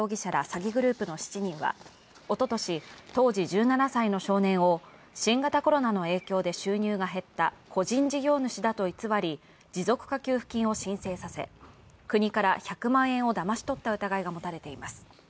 詐欺グループの７人は、おととし、当時１７歳の少年を新型コロナの影響で収入が減った個人事業主だと偽り、持続化給付金を申請させ、国から１００万円をだまし取った疑いが持たれています。